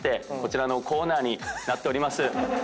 こちらのコーナーになっております。